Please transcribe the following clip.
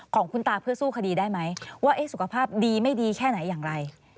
ของคุณตาเพื่อสู้คดีได้ไหมว่าสุขภาพดีไม่ดีแค่ไหนอย่างไร